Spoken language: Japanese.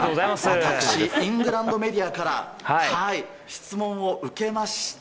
私、イングランドメディアから質問を受けました。